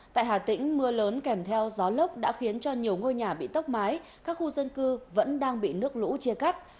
tại hà tĩnh mưa lớn kèm theo gió lốc đã khiến cho nhiều ngôi nhà bị tốc mái các khu dân cư vẫn đang bị nước lũ chia cắt